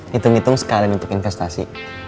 hitung hitung sekalian untuk investasi